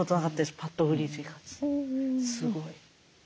すごい。